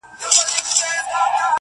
چي خوب ته راسې بس هغه شېبه مي ښه تېرېږي!